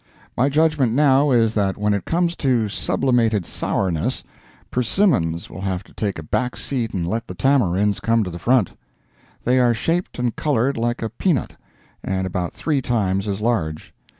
My judgment now is that when it comes to sublimated sourness, persimmons will have to take a back seat and let the tamarinds come to the front. They are shaped and colored like a pea nut, and about three times as large.